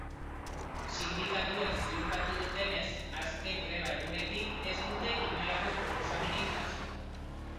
Sindikatuek ziurtatu dutenez, azken greba egunetik ez dute inolako proposamenik jaso.